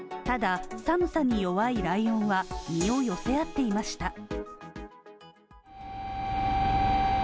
ただ、寒さに弱いライオンは身を寄せ合っていました。